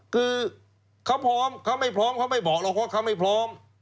คือเขาพร้อมเขาไม่พร้อมเขาไม่บอกหรอกว่าเขาไม่พร้อม